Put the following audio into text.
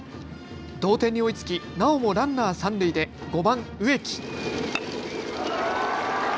同点に追いつき、なおもランナー三塁で５番・植木。